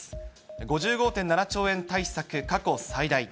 ５５．７兆円対策、過去最大。